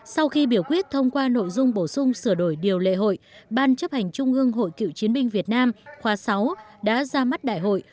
sau khi biểu quyết thông qua nội dung bổ sung sửa đổi điều lệ hội ban chấp hành trung ương hội cựu chiến binh việt nam khóa sáu đã ra mắt đại hội